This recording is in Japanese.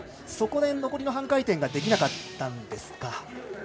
そこで残りの半回転ができなかったんですか。